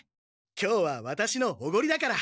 今日はワタシのおごりだから。